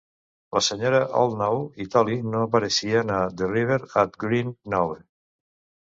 La senyora Oldknow i Tolly no apareixen a The River at Green Knowe.